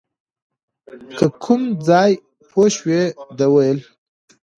له کوم ځایه پوه شوې، ده ویل .